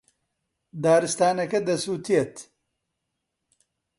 دارستانەکە دەسووتێت.